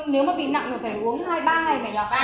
nếu mà bị nặng thì phải uống hai ba ngày